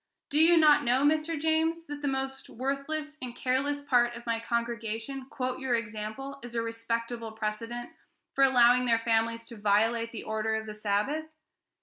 Do you not know, Mr. James, that the most worthless and careless part of my congregation quote your example as a respectable precedent for allowing their families to violate the order of the Sabbath?